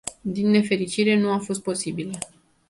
Din nefericire, nu a fost posibilă.